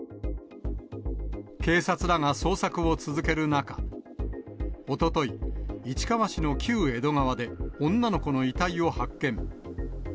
警察らが捜索を続ける中、おととい、市川市の旧江戸川で、女の子の遺体を発見。